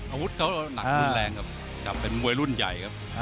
อาวุธเขาหนักรุนแรงครับจับเป็นมวยรุ่นใหญ่ครับ